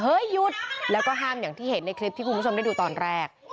หยุดแล้วก็ห้ามอย่างที่เห็นในคลิปที่คุณผู้ชมได้ดูตอนแรก